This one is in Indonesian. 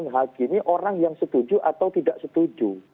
hakimi orang yang setuju atau tidak setuju